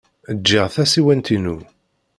Ǧǧiɣ tasiwant-inu.